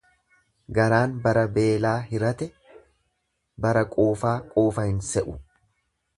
Garaan bara beelaa hirate bara quufaa, quufa hin se'u.